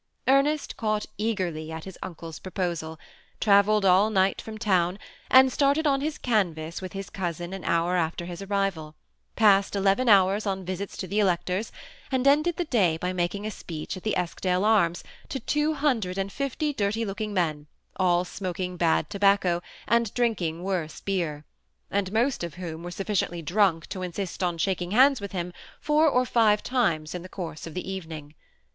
Em^t caught eagerly at his ancle's proposal, travelled all night from town, and started on his canvass with his cousin an hour after his arrival, passed eleven hours on visits to the electors, and ended the day by making a speech at the Eskdale Arips to two hundred and fifty dirty lodging men, all smoking bad tobacco, and drinking worse beer; and most of whom were sufficiently drunk to insist on shak THE BEHI ATTACHED COUPLE. ids with bim four or fire times in the coarse of ;mng.